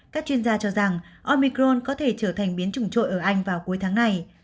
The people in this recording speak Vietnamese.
các chuyên gia cho rằng omicron có thể trở thành biến chủng trội ở anh vào cuối tháng này